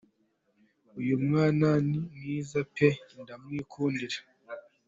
uyu mwanani mwiza pe jye ndamwikundira.